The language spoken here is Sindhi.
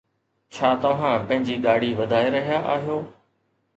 ڇا توهان پنهنجي ڏاڙهي وڌائي رهيا آهيو؟